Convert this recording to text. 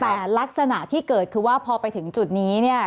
แต่ลักษณะที่เกิดคือว่าพอไปถึงจุดนี้เนี่ย